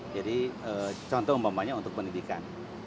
jadi contoh mampuannya untuk pendidikan